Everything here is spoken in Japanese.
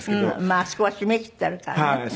まああそこは閉めきってあるからね。